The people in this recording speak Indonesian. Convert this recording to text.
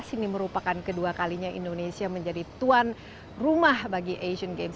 ini merupakan kedua kalinya indonesia menjadi tuan rumah bagi asian games